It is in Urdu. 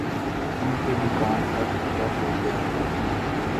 ان کے مکان پر قبضہ ہو گیا تھا